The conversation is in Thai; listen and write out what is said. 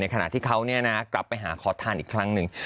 ในขณะที่เขาเนี่ยนะกลับไปหาขอทานอีกครั้งหนึ่ง